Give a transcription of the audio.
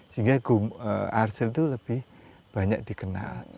sehingga arcel itu lebih banyak dikenal